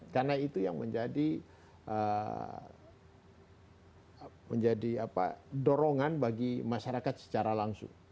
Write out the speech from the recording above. karena itu yang menjadi dorongan bagi masyarakat secara langsung